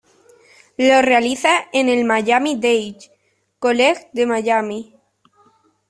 Lo realiza en el Miami Dade College de Miami.